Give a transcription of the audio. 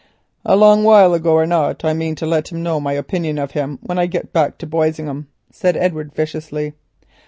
"A long while ago or not I mean to let him know my opinion of him when I get back to Boisingham," said Edward viciously.